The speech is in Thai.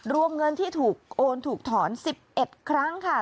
รวมเงินที่ถูกโอนถูกถอน๑๑ครั้งค่ะ